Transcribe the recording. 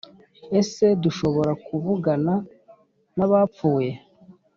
Ese dushobora kuvugana n’abapfuye?